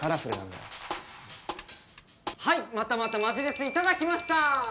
はいまたまたマジレスいただきましたー！